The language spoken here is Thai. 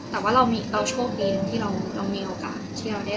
แต่ว่าเราโชคดีที่เรามีโอกาสที่เราได้